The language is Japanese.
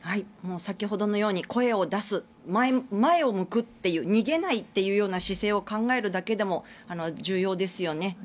先ほどのように声を出す前を向くという逃げないというような姿勢を考えるだけでも重要ですよね。